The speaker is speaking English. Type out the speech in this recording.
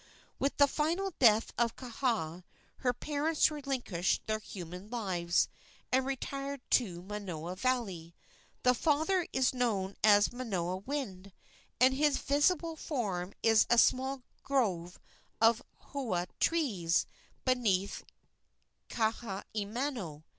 With the final death of Kaha her parents relinquished their human lives and retired to Manoa Valley. The father is known as Manoa Wind, and his visible form is a small grove of hau trees below Kahaiamano.